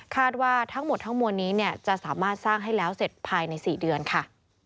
ว่าทั้งหมดทั้งมวลนี้จะสามารถสร้างให้แล้วเสร็จภายใน๔เดือนค่ะ